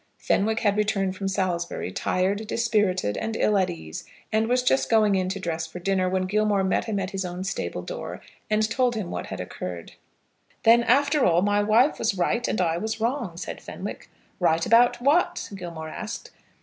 Fenwick had returned from Salisbury, tired, dispirited, and ill at ease, and was just going in to dress for dinner, when Gilmore met him at his own stable door, and told him what had occurred. "Then, after all, my wife was right and I was wrong," said Fenwick. "Right about what?" Gilmore asked.